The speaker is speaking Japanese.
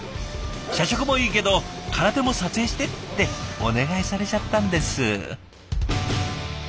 「社食もいいけど空手も撮影して」ってお願いされちゃったんです。